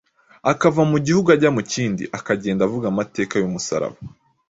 akava mu gihugu ajya mu kindi, akagenda avuga amateka y’umusaraba,